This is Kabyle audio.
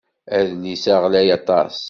Adlis-a ɣlay aṭas.